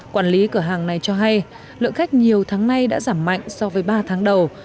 quản lý cửa hàng này cho hay lượng khách nhiều tháng nay đã giảm mạnh so với ba tháng đầu